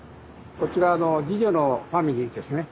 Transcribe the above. こちら次女のファミリーですね。